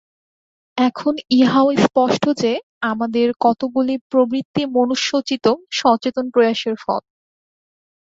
এখন ইহাও স্পষ্ট যে, আমাদের কতকগুলি প্রবৃত্তি মনুষ্যোচিত সচেতন প্রয়াসের ফল।